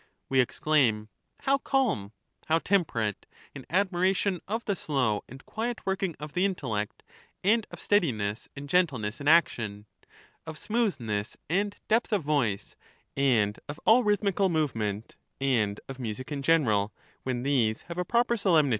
We exclaim How calm I How temperate I in admi ration of the slow and quiet working of the intellect, and of steadiness and gentleness in action, of smoothness and depth of voice, and of all rhythmical movement and of music in general, when these have a proper solemnity.